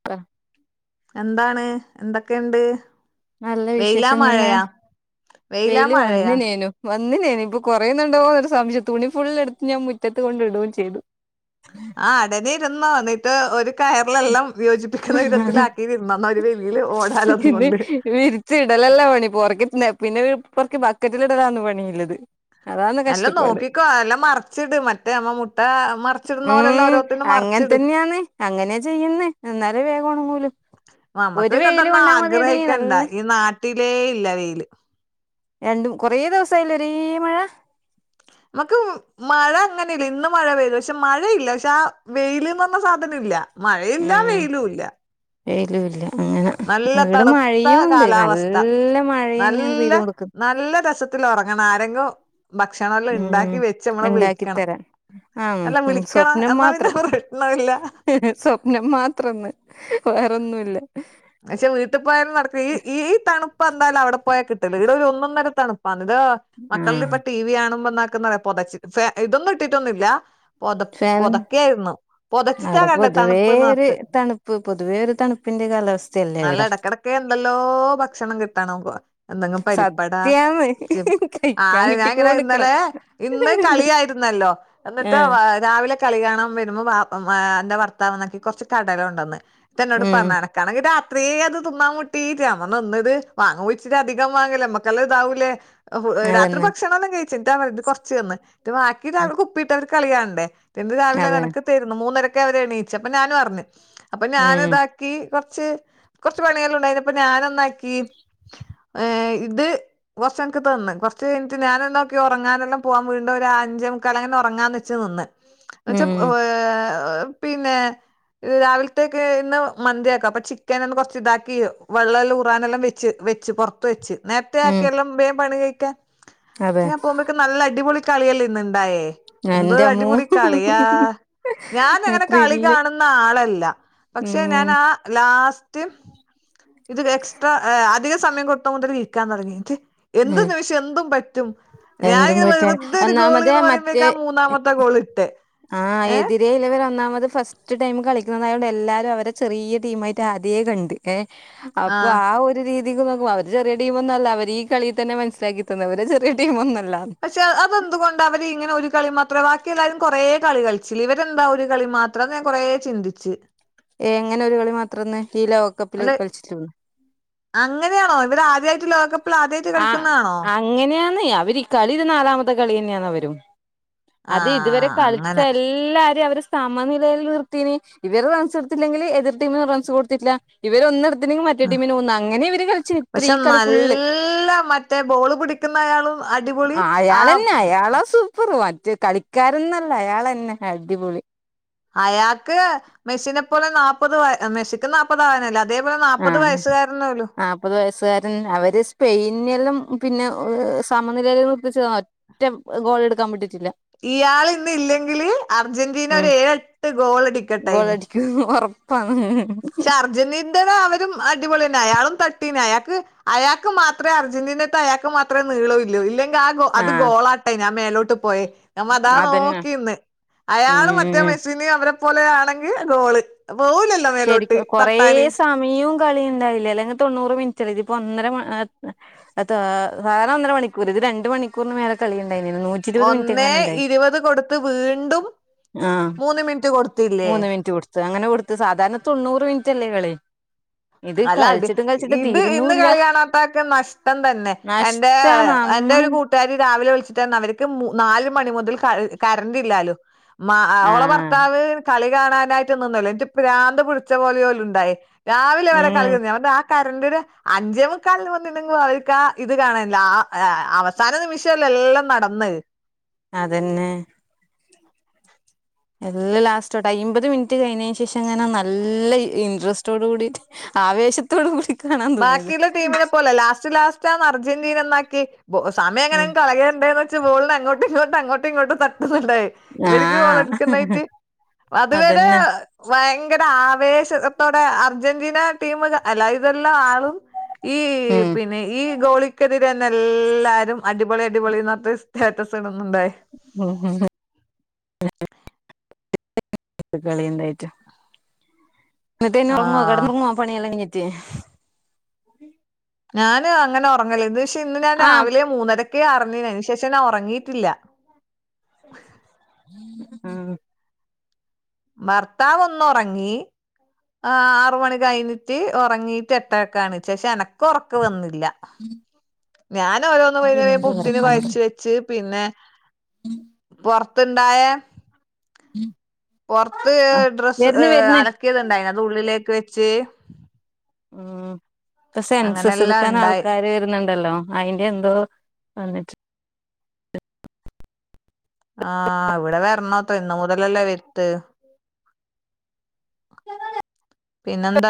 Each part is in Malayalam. [unintelligible] എന്താണ് എന്തൊക്കെയുണ്ട്. നല്ല വെയിലാ വിശേഷം തന്നെ മഴയാ വെയിലാ വെയില് മഴയാ വന്നിനേനു വന്നിനി ഇപ്പൊ കൊറേന്നുണ്ടോ ന്നൊരു സംശയം തുണി ഫുള്ളെടുത്ത് ഞാൻ മുറ്റത്ത് കൊണ്ട് ഇടുവേം ചെയ്തു ആ അടനിരുന്നോ എന്നിട്ട് ഒരു കയറിലെല്ലാം വിയോജിപ്പിക്കുന്ന വിധത്തിലാക്കി ഇരന്നന്ന ഒരു വലിയിൽ ഓടാലതും കൊണ്ട് ഇത്തിടലല്ല പണി പുറക്കി പിന്നൊരു പൊറക്കി ബക്കറ്റിലിടലാണ് പണിള്ളത് എല്ലാം നോക്കിക്കോ എല്ലാം മറച്ചിട് മറ്റേ നമ്മ മുട്ട മറച്ചിടുന്ന പോലെല്ലാം ഉം ഓരോ അങ്ങനെ തന്നെയാണ് അങ്ങനെ ചെയ് ചെയ്യന്നേ എന്നാലേ വേഗം ഒണങ്ങൂലൂ ഒരു വെയില് കൊണ്ടാമതിയെടീ നല്ല ഇനാട്ടിലേ ഇല്ല വെയില് രണ്ടും കൊറേ ദിവസായില്ലേ ഒരേ മഴ മ്മക്കും മഴ അങ്ങനില്ല ഇന്ന് മഴ പെയ്തു പക്ഷെ മഴയില്ല പക്ഷെ ആഹ് വെയിലന്ന് പറഞ്ഞ സാധനം ഇല്ല മഴയില്ല വെയിലും ഇല്ല വെയിലും ഇല്ല അങ്ങനെ നല്ല ഇവിടെ തണുത്ത മഴയുണ്ട് കാലാവസ്ഥ നല്ല മഴയന്നെയാണ് നല്ല പെയ്ത് കൊടുക്കുന്ന് നല്ല രസത് ത്തിലുറങ്ങണം ആരെങ്കിലും ഭക്ഷണെല്ലാം ഉം ഉണ്ടാക്കി വെച്ച് നമ്മളെ ഇണ്ടാക്കി വിളിക്കണം തരാൻ ആഹ് അല്ല ഉം വിളിക്കണം സ്വപ്നം എന്നാ പിന്നെ പ്രെഷ്നമില്ല നം മാത്രെന്ന് വേറൊന്നുമില്ല എന്നെച്ചാ വീട്ടിപോയാലും നടക്കി ഈ ഈ തണുപ്പ് എന്തായാലും അവിടെ പോയാൽ കിട്ടില്ല ഇവിടെ ഒരു ഒന്നര തണുപ്പ് വന്നത് മക്കളിൽ ആഹ് ഇപ്പ ടി വി കാണുമ്പോന്നാക്കുന്നറിയ പൊതച്ചേ ഇതൊന്നും ഇട്ടിട്ടൊന്നുമില്ല പൊതപ്പ് ഫാൻ പൊതക്കായാരുന്നു പൊതച്ചിട്ടാ കണ്ടേ തണുപ്പ്ന്ന്റട്ട് പ്പം പൊതുവെ ഒരു തണുപ്പിന്റെ കാലാവസ്ഥയല്ലേ ഇവിടെ ഒക്കെ എന്തല്ലോ ഭക്ഷണം കിട്ടണ എന്തെങ്കിലും പരിപ്പടാ സത്യാന്ന് ആ കഴിക്കാൻ ഞാൻ ഇങ്ങനെ കിട്ടിക്കോണ്ട്ക്കണം ഇന്നലെ ഇന്ന് കളിയായിര്ന്നല്ലോ എന്നിട്ട ആഹ് വാ രാവില കളി കാണാൻ വര്മ്പോ വാ എന്റെ ഭർത്താവെനിക്ക് കൊർച്ച് കടലൊണ്ടന്ന് എന്നിട്ടെന്നോട് ഉം പർഞ്ഞാണ് ഇൻകണങ്കി രാത്രേ അത് തിന്നാ മുട്ടീട്ട് ഞാപർഞ്ഞു ഒന്നിത് വാങ്ങുമ്പൊച്ചിരി അധികം വാങ്ങലേ നമ്മക്കെല്ലാതാവൂലെ രാത്രി അതന്നെ ഭക്ഷണം ഒന്നും കഴിച്ച് ഇതാത് കൊർച്ചന്ന് ത്ബാക്കി ഉം രാവിലെ കുപ്പിയിട്ട് അവര്ക്ക് കളിയാണണ്ടേ പിന്നെ രാവിലെ അതെ എനക്ക് തര്ന്നെ മൂന്നരക്ക് അവരെ എണീച്ചെ അപ്പൊ ഞാനുഅർഞ്ഞ് അപ്പൊ ഉം ഞാനുതാക്കി കൊർ കൊർച്ച് കൊർച്ച് പണിയെല്ലണ്ടായിനി അപ്പൊ ഞാനെന്നാക്കി ഏ ഇത് കൊച്ചൻക്ക് തന്ന് കൊറച്ചയ്ഞ്ഞിട്ട് ഞാനെന്താക്കി ഒറങ്ങാനല്ലാം പോവാൻ വീണ്ടും ഒരഞ്ചേ മുക്കാല് അങ്ങനെ ഒറങ്ങാന്നെച്ച് നിന്ന് ന്ന്ച്ചാ ഉം ഏ പിന്നെ രാവിൽത്തേക്ക് ഇന്ന് മന്ത്യാക്കാ പ ചിക്കനൊന്ന് കൊർച്ച് ഇതാക്കി വെള്ളം എല്ലം ഊറാനെല്ലാം വെച്ച് വെച്ച് പൊ ർത്ത് വെച്ച് നേരത്തെ ഉം ആക്കിയെല്ലാം വേം പണി കഴിക്ക അതെ പോമ്പം ക്ക് നല്ല അടിപൊളി കളിയല്ലേ ഇന്ന്ണ്ടായേ എന്റമ്മൂ എന്തോരടിപൊളി കളിയാ ഞാൻ അങ്ങനെ കളി ത്രില്ല് കാണുന്ന ആളല്ല പക്ഷെ ഉം ഞാനാ ലാസ്റ്റ് ഇത് എക്സ്ട്രാ അധിക സമയം കൊടുത്ത മുതല് ഇരിക്കാൻ തുടങ്ങി ഇത് എന്ത് ഉം നിമിഷം എന്തും പറ്റും എന്തും ഞാനിങ്ങനെ പറ്റാണ് വെർതൊരു ഗോള് ഒന്നാമത് എന്ന് മറ്റേ പറയുമ്പഴക്ക ആ മൂന്നാമത്തെ ഗോള് ഇട്ടെ ഏ ഇവര് ഒന്നാമത് ഫസ്റ്റ് ടൈം കളിക്കുന്നായോണ്ട് എല്ലാരും അവരെ ചെറിയ ടീമായിട്ട് ആദ്യേ കണ്ട് ഏ അപ്പൊ ആ ഒരു രീതിക്ക് നോക്കുമ്പ അവര് ചെറിയ ടീമന്നെല്ല അവര് കളീ തന്നെ മനസ്സിലാക്കിത്തന്ന് അവര് ചെറിയ ടീമൊന്നല്ലാന്ന് പക്ഷെ അതെന്തുകൊണ്ടാ അവരിങ്ങനെ ഒരു കളി മാത്രം ബാക്കി എല്ലാരും കൊറേ കളി കളിച്ചില്ലെ ഇവരെന്താ ഒരു കളി മാ ത്രം ഞാൻ കൊറേ ചിന്തിച്ച് എങ്ങനൊരു കളി മാത്രംന്ന് ഈ ലോകകപ്പില് അല്ലെ കളിച്ചിട്ട്ണ് അങ്ങനെയാണോ ഇവരാദ്യായിട്ട് ലോകക ആ അങ്ങനെയാന്ന് അവര് കളി ഇത് നാലാമത്തെ കളിയന്നെ അവരും അത് ഇതുവരെ ആഹ് കളിച്ച അങ്ങനെ. എല്ലാരും അവര് സ് സമയ നിലയിൽ നിർത്തീനി ഇവര് റൺസ് എടുത്തില്ലെങ്കില് എതിര് ടീമിന് റൺസ് കൊടുത്തിട്ടില്ല ഇവരൊന്ന് ഇട് ഇത്നിങ്ങും മറ്റേ ഉം. ടീമിന് ഒന്ന് അങ്ങനെ ഇവര് കൾചേ ഇത്രേം കളി ഫുള്ള് ഫുള്ള് മറ്റേ ബോള് പിടിക്കുന്നയാളും അടിപൊളി ആഹ് അളസു പ്പറ് മറ്റേ കളിക്കാരന്നല്ല അയാളന്നെ അടിപൊളി അയാക്ക് മെസിനെ പോലെ നാപ്പത് വ മെസിക്ക് നാപ്പതാവാനായ്ല്ലെ അ അതേപോല നാപ്പത് ആഹ് വയസ്സുകാരനോലും നാപ്പത് വയസ്സുകാരൻ അവര് സ്പെയിനിലും പിന്നെ സമനിലയിൽ നിർപ്പിച്ചതോ റ്റം ഗോളെടുക്കാൻ വിട്ടിട്ടില്ല ഇയാള് ഇന്ന ഇല്ലെങ്കില് അർജന്റീന ഒര് ഏഴെട്ട് ഗോളടിക്കട്ടേയിന് ക്ക് ഒറപ്പാണ് പക്ഷെ അർജന്റീനൻ്റെ അവരും അടിപൊളിന്നെ അയാളും തട്ടീനി അയാക്ക് അയാക്ക് മാ ത്രേ അർജന്റീനത്തെ അയാക്ക് മാത്രേ നീള ഇല്ലോ ഇല്ലെങ്കി ആ അത് ആഹ് ഗോളാട്ടേ ആ മേലോട്ട് പോയേ നമ്മതാ അതന്നെ നോക്കിന്ന് അയാള് മറ്റേ ഉം മെ സിനെ അവരെ പോലെ ആണെങ്കി ഗോള് പോവൂലല്ലോ മേലോട്ട് കൊറെ തട്ടാന് സമയും കളിണ്ടായില്ലേ അല്ലെങ്കി തൊണ്ണൂറ് മിൻറ്റല്ലെ ഇത് ഇപ്പൊ ഒന്നര മ അതാ സാധാരണ ഒന്നര മണിക്കൂറ് ഇത് രണ്ട് മണിക്കൂറിന് മേലെ കളിയുണ്ടായിനല്ലോ നൂ ഒന്നേ ഇരുപത് കൊട്ത്ത് വീണ്ടും ആഹ് മൂന്ന് മിൻറ്റ് കൊടുത്തില്ലേ മൂന്ന് മിനിറ്റ് കൊടുത്ത് അങ്ങനെ കൊട്ത്ത് സാധാരണ തൊണ്ണൂറ് മിൻറ്റല്ലേ കളി ഇത് നല്ല അടി കളിച്ചിട്ടും കളിച്ചിട്ട് ഇത് ഇന്ന് തീരുന്നൂല്ല കളി കാണാത്താക്ക നഷ്ടം തന്നെ എൻ്റെ നഷ്ടാ എന്റൊരു നമ്മൾ കൂ ട്ടാരി രാവിലെ വിളിച്ചിട്ടർഞ്ഞു അവര്ക്ക് നാല് മണി മുതൽ കർ കറണ്ട് ഇല്ലാലോ ഓളെ ആഹ് ഭർത്താവ് കളി കാണാനായി ഇന്റ ഭ്രാന്ത് പിടിച്ച പോലെ ഓല് ണ്ടായിയി രാവിലെ വരെ കളി ഉം തീർന്ന് ഞാൻ പറഞ് ആഹ് കരന്റ് നാ അഞ്ചേമുക്കാല്ന് വന്ന് [unintelligible] തല നിമിഷ ല്ലെ എല്ലാംനടന്ന് അതന്നെ എല്ല ലാസ്റ്റോട്ട് അമ്പത് മിനിറ്റ് കഴിഞ്ഞതിനന് ശേഷം അങ്ങനെ നല്ല ഇൻട്രസ്റ്റോട് കൂടിട്ട് ആവേശത്തോട്കൂടി. ബാക്കിയുള്ള ടീമിനെ പോലെ ലാസ്റ്റ് ലാസ്റ്റ്. അർജന്റീന എന്നാക്കി സമയ ഉം എങ്ങനേം കളയേണ്ട്ന്ന്. ബോളിന് അങ്ങോട്ടും ഇങ്ങോട്ടും അങ്ങോട്ടും ഇങ്ങോട്ടും തട്ടുന്നുണ്ട് ഇവർക്ക് ആഹ് വളടുക്കുന്നായിട്ട് അതുവരെ അതന്നെ വയങ്കര ആവേശത്തോടെ അർജന്റീന ടീമ് അല്ല ഇതെല്ലാം ആളും ഈ ഉം പിന്നെ ഈ ഗോളിക്കെതിരെ തന്നെ എല്ലാരും അടിപൊളി അടിപൊളിന്ന് പറഞ്ഞിട്ട് സ്റ്റാറ്റസ് ഇടുന്നുണ്ട് ഉം ഉം ആഹ് [unintelligible] ഞാന് അങ്ങനെ ഉറങ്ങല്ലേ. ഇത്ക്ഷെ ഇന്ന് ഞാൻ രാവിലെ മൂന്നരക്കെ അർഞ്ഞീനെ അയ്നെഷം ഞാൻ ഒർങ്ങിയിട്ടില്ല. ആഹ് ഭർത്താവ് ഒന്നുറങ്ങി. ആഹ് ആറ്മണി കഴിഞ്ഞിട്ട് ഒർങ്ങീട്ട് എട്ടര്ക്കാണ് എണീചെഹ് ക്ഷെ എനക്ക് ഒറക്കം വന്നില്ല ഞാൻ ഓരോന്ന് പുട്ടിന് കൊയച് വെച്ച് പിന്നെ ത് ണ്ടായ പോർത്ത് ആഹ് ഡ്രസ്സ് വരുന്ന് വരുന്ന് അൻ ഒക്കതുണ്ടായി അത് ഉള്ളിലേക്ക് വെച്ച്. ഉം പ്പം സെൻസെസ് അങ്ങനെല്ലാം എടുക്കാൻ ഉണ്ടായി ആൾക്കാര്. പിന്നെണ്ടല്ലോ അയിന്റെ എന്തോ വന്നിട്ട് ആഹ് ഇവിടെ വെർനോത്രെ ഇന്ന് മുതൽ അല്ലേ [unintelligible] പിന്നെന്താ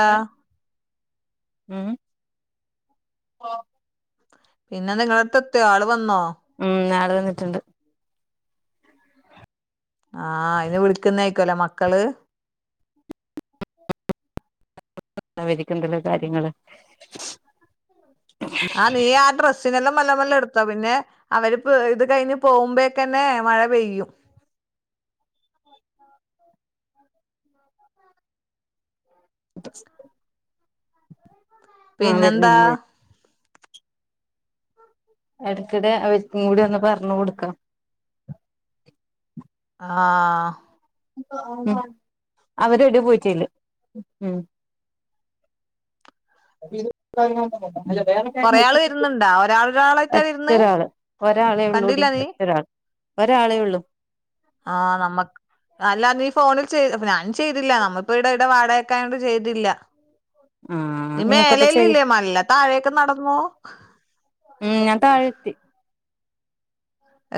ഉം പിന്നെ നിങ്ങള അടുത്ത് എത്തോ ആള് വന്നോ? ഉം ആള് വന്നിട്ട്ണ്ട്. ആഹ് അയനെ വിളിക്കുന്നാഇരിക്കുംല്ലെ മക്കള് [unintelligible] കാര്യങ്ങള് ആഹ് നീ ആ ഡ്രസ്സിനെല്ലാം മല്ല മല്ല എടുത്താ പിന്നെ. അവരിപ്പ ഇത് കഴിഞ്ഞ് പോവുമ്പോക്കെന്നെ മഴ പെയ്യും [inaudible] ആഹ് പിന്നെന്താ വരുന്ന് വരും ഇടയ്ക്കിടെ അവക്കും കൂടി ഒന്ന് പറഞ് കൊടുക്കണം ആഹ് അവര് എവിടെ പോയിട്ടീല്ല ഉം [unintelligible] കൊറേ ആള് വരുന്നുണ്ടാ ഒരാളൊരാളായിട്ടാ വരുന്ന് ഒറ്റൊരാള് ഒരാളെ ഉള്ളൂടി കണ്ടില്ല നീ ഒറ്റരാൾ ഒരാളേ ഉള്ളൂ ആഹ് നമ്മക്. അല്ലാ നീ ഫോണിൽ ചെയ്ത്. അപ്പ ഞാൻ ചെയ്തില്ല നമ്മപ്പെവടേ ഇവിടെ വാടകയ്ക്ക് ആയോണ്ട് ചെയ്തില്ല. ആഹ് നീ നിങ്ങൾക്കപ്പ മേലല്ല ചെയ് ഇല്ലേ മല്ല താഴെയൊക്കെ നടന്നോ? ഉം. ഞാൻ തായെത്തി.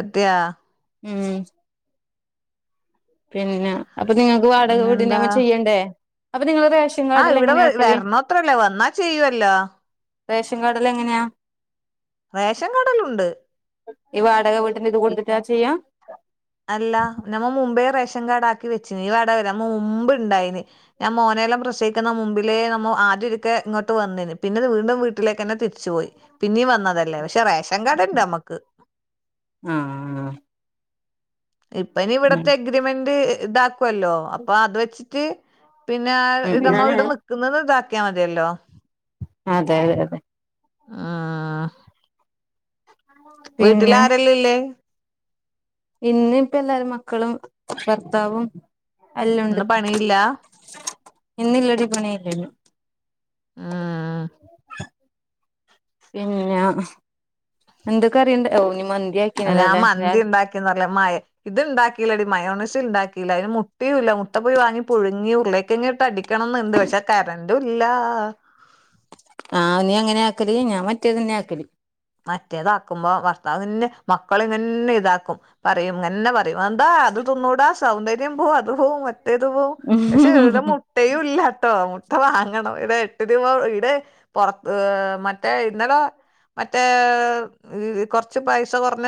എത്യാ ഉം പിന്നെ അപ്പൊ നിങ്ങൾക്ക് വാടക പിന്നെന്താ വീടിന് ചെയ്യണ്ടേ അപ്പൊ നിങ്ങള് റേഷൻ ആഹ് കാർഡെല്ലാം ഇവിടെ എങ്ങനെയാ വരോ ആക്കല് വരണോത്രല്ലേ വന്നാ ചെയ്യുവല്ലോ റേഷൻ കാർഡിലെങ്ങനെയാ റേഷൻ കടലുണ്ട്. ഇവ വാടക വീട്ടന് ഇത് ഇ- കൊടുത്തിട്ടാ ചെയ്യ. അല്ല നമ്മ മുമ്പേ റേഷൻ കാർഡ് ആക്കി വെച്ചിന്ഈ വടകരെ മുമ്പ് ഇണ്ടായിന്. ഞാൻ മോനെല്ലാം പ്രസയിക്കുന്ന മുമ്പിലേ നമ്മ ആദ്യൊ രിക്കെ ഇങ്ങോട്ട് വന്നിന് പിന്നെ വീണ്ടും വീട്ടിലേക്ക് ന്നെ തിരിച്ചു പോയി. പിന്നീ വന്നതല്ലേ പക്ഷെ റേഷൻ കാർഡുണ്ട് നമ്മക്ക്. ഉം. ഇപ്പനി ഇവിടത്തെ എ ഗ്രിമെന്റ് ഇതാക്കുവല്ലോ അപ്പൊ അത് വെച്ചിട്ട്. പിന്നെ ഉം ഇടമ്മ ഇവിട് നക്കുന്നത് ഇതാക്കിയാ മതിയല്ലോ. അതെ അതെ. ആഹ. വീട്ടിൽ പിന്നെ ആരല്ല ഇല്ലേ. ഇന്ന് ഇപ്പ എല്ലാരും മക്കളും ഭർത്താവും എല്ലണ്ട്. ഇന്ന് പണിയില്ല ഇന്നില്ലടി പണനിയില്ല. ആഹ. പിന്നെ എന്തൊക്കെ അറിയണ്ട ഓനി മന്തിയാ. ഞാൻ മന്തി ഉണ്ടാക്കിന്ന് മ ഇത് ഇണ്ടാക്കില്ലടി മയോണിസി ഉണ്ടാക്കില്ല അതിന് മു. പീല്ല മുട്ട പോയി വാങ്ങി പുഴുങ്ങി ഉരുളേക്കങ്ങിട്ട് അടിക്കണംന്നുണ്ട് പക്ഷെ കരഡൂല്ല. ആഹ് നീ അങ്ങനെ ആക്കല ഞാ മറ്റേത്ന്നെ ആക്കല. മറ്റേതാക്കുമ്പോ ഭർത്താവിന്നെ മക്കള ഇങ്ങന്നെ ഇതാക്കും. പറയും അങ്ങന്നെ പറയും എന്താ അത് തൊന്നൂടാ സൗന്ദര്യം പോവും അത് പോും. തു പോവും പക്ഷെ ഇടെ മുട്ടയും ഇല്ലാട്ടോ മുട്ട വാങ്ങണം ഇടെ എട്ട് രൂപ ഇടെ. പുറത്ത് മറ്റേ ഇന്നലെ. മറ്റേ കൊറച്ച് പൈസ കുറഞ്ഞ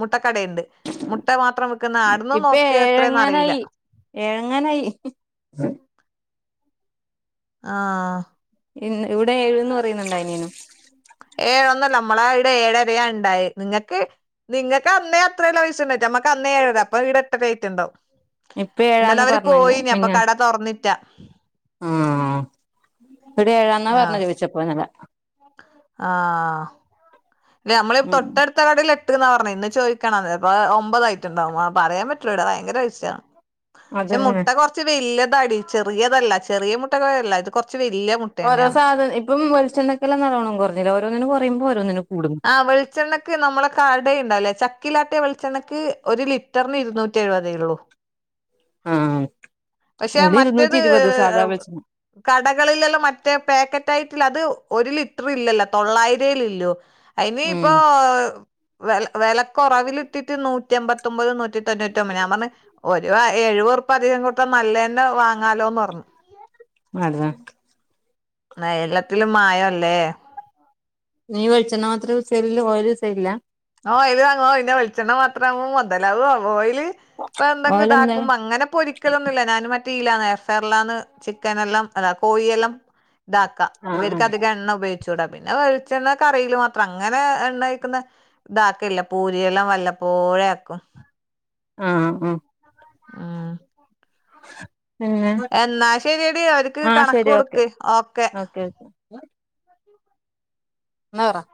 മുട്ടക്കടയുണ്ട്. മുട്ട മാത്രം വിൽക്കുന്ന അടന്നും നോക്കിയ എത്രന്ന അറിയില്ല. എഴങ്ങാനായി. ആഹ. ഇ ഇവിടെ ഏയ് പറയുന്നുണ്ടായിനിയനും. ഏഴൊന്നല്ല നമ്മളെ ഇവിടെ ഏഴരയ ഉണ്ടായ നിങ്ങക്ക്. നിങ്ങൾക്ക് അന്നേ അത്രേല്ല പൈസ ഉണ്ടറ്റ നമ്മക്ക് അന്നേ ഏഴര അപ്പൊ ഇവിടെ എട്ട ഡേറ്റ് ഉണ്ടാവും. ഇപ്പ ഇ ന്നല ഏഴാന്ന് വര് പറഞ്ഞന്നെ പോയിന് അപ്പൊ മിഞ്ഞാ കട തുറന്നിറ്റാ ആഹ് ഒരു ഏഴാന്നാ പറഞ്ഞത് ചോയിച്ചപ്പോ ഇന്നലെ ആ നമ്മള ഉം തൊട്ടടു കാർഡിൽ എട്ട്ന്ന് ന്ന പറഞ്ഞഞ് ഇന്ന് ചോദിക്കണത് ഒമ്പതായിട്ടുണ്ടാവും പറയാൻ പറ്റൂലട ഭയങ്കര പൈസ യാണ്. ക്ഷെ അതന്നെ മുട്ട കുറച്ച് വലിയത അടി ചെറിയതല്ല ചെറിയ മുട്ടല്ല ഇത് കൊറച്ച് വല്യ മുട്ട. ഓരോ തന്നെയാണ് സാധന ഇപ്പം വെളിചെണ്ണ കെ ലാം നല്ലോണം കുറഞ്ഞില്ല ഓരോന്നിന് കൊറിബം ഓരോനിന് ആഹ് വെളിച്ചെണ്ണ. നമ്മളെ കട ഉണ്ടല്ലേ ചക്കിലാട്ടെ വെളിച്ചെണക്ക് ഒരു ലിറ്ററിന് ഇരുന്നൂറ്റി എഴുപതേ ഉള്ളൂ. ആഹ് പക്ഷെ ആ ഇവിടെ ഇരുന്നൂറ്റി മറ്റേത്. ഇരുപത് സാധാ വെളിച്ചെണ്ണ കടകളിലല്ലോ മറ്റേ പാക്കറ്റ ആയിട്ടില്ല അത് ഒരു ലിറ്റർ ഇല്ലല്ലോ തൊള്ളായിരേ ഇല്ലോ. അയി ന് ഇപ്പൊ ഉം വ വിലക്കൊ റവിലിട്ടിട്ട് നൂറ്റിമ്പത്തി. തത്തൊമ്പത് നൂറ്റി തൊണൂറ്റി ഒബത് ഞാൻ പറന്ന്. ഒരു എഴുപഉർപ്യാ അതികം കൊടുത്താൽ നല്ലതന്നെ വാങ്ങാലോ എന്ന് ഓർ. അത. ന എല്ലത്തിലും മായല്ലേ. നീ വെളിച്ചെണ്ണ മാത്രം യൂസ് ചെയല് ഓയിൽ യൂസ് ചെയ്യല്ലേ. ഓ ഇത് അങ്ങോ പിന്നെ വെളിച്ചെണ്ണ മാത്രംആവുമ്പോ മുതലാവോ ഓയില് ഇപ്പൊ എന്തെങ്കിലും ഓയിലെന്താ ഇതാക്കുമ്പോ അങ്ങനെ പരി - ചിക്കലൊന്നുംല്ല ഞാൻ മറ്റേഇല്ലന്ന് എയർ ഫയർ ലാണ് ചിക്കൻ എല്ലാം കോഴിയെല്ലാം ഇത ആഹ് ഇവർക്ക് ആഹ് അധികം എണ്ണ ഉപയോഗിച്ചു കൂടാം പിന്നെ വെളിച്ചെണ്ണ കറില് മാത്രം അങ്ങനെ എണ്ണ കഴിക്കുന്ന. ഇതാക്കില്ല പൂരിയെല്ലാം വല്ലപ്പോഴെ ആക്കും ആഹ് ആഹ് ആഹ് പിന്നെ എന്നാ ശരിയടി അവർക്ക് ആഹ് കണക്ക് ശരി ഓക്കെ കൊടുക്ക് ഓക്കെ ഓക്കെ എന്നാ പറ